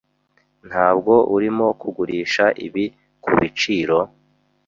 Ntabwo urimo kugurisha ibi kubiciro?